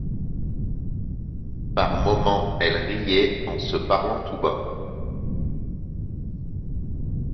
Par moments elle riait en se parlant tout bas.